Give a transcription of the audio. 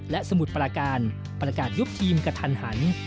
และสมุทรปราการประกาศยุบทีมกระทันหัน